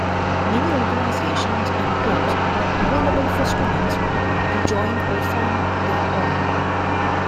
Many organizations and clubs are available for students to join or found their own.